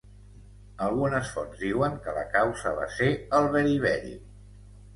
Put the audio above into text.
Algunes fonts diuen que la causa va ser el beri-beri.